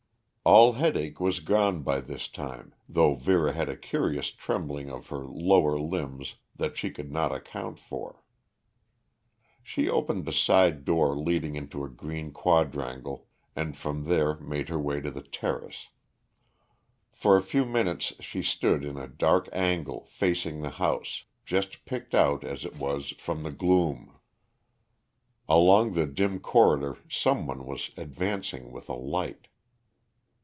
All headache was gone by this time, though Vera had a curious trembling of her lower limbs that she could not account for. She opened a side door leading into a green quadrangle, and from there made her way to the terrace. For a few minutes she stood in a dark angle facing the house, just picked out, as it was, from the gloom. Along the dim corridor some one was advancing with a light.